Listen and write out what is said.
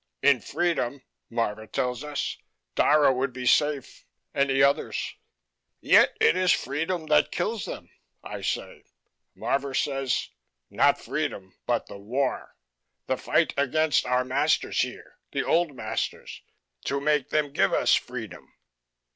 "In freedom," Marvor tells us, "Dara would be safe, and the others." "Yet it is freedom that kills them," I say. Marvor says: "Not freedom but the war. The fight against our masters here, the old masters, to make them give us freedom."